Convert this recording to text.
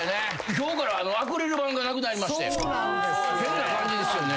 今日からアクリル板がなくなりまして変な感じですよね